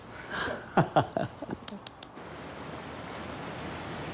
ハハハハ。